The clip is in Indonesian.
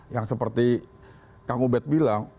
yang seperti kang ubed bilang